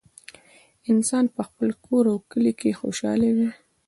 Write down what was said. انسان په خپل کور او کلي کې خوشحاله وي